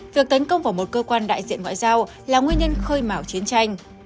việc tấn công vào một cơ quan đại diện ngoại giao là nguyên nhân khơi mỏ chiến tranh